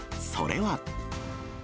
それは。